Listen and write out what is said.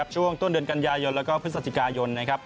ช่วงต้นเดือนกันยายนแล้วก็พฤศจิกายนนะครับ